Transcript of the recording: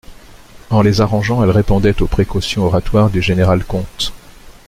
En les arrangeant, elle répondait aux précautions oratoires du général-comte.